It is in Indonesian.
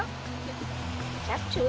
ambil nasi bes lawar